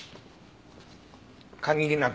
限りなく